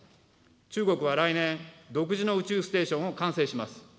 中国は来年、独自の宇宙ステーションを完成します。